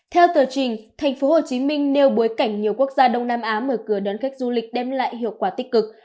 theo tờ trình thành phố hồ chí minh nêu bối cảnh nhiều quốc gia đông nam á mở cửa đón khách du lịch đem lại hiệu quả tích cực